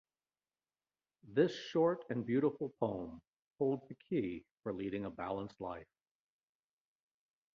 This short and beautiful poem holds the key for leading a balanced life.